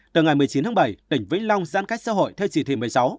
từ ngày một mươi chín tháng bảy tỉnh vĩnh long giãn cách xã hội theo chỉ thị một mươi sáu